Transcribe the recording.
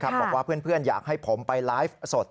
บอกว่าเพื่อนอยากให้ผมไปไลฟ์สด